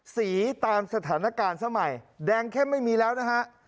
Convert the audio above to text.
สีตามสถานการณ์สมัยแดงเข้มไม่มีแล้วนะฮะ